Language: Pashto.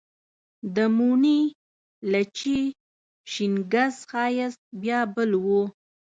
د موڼي، لچي، شینګس ښایست بیا بل و